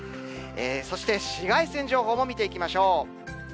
そして、紫外線情報も見ていきましょう。